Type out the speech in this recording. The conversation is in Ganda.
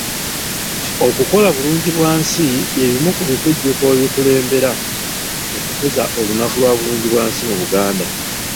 Okukola bulungibwansi by'ebimu ku bikujjuko ebikulembera okukuza olunaku lwa Bulungibwansi mu Buganda.